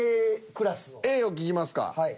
Ａを聞きますか。